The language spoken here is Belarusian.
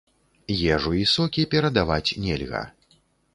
Ежу і сокі перадаваць нельга.